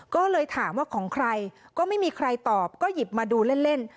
ก็เลยถามว่าของใครก็ไม่มีใครตอบก็หยิบมาดูเล่น